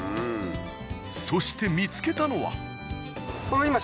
そして見つけたのは。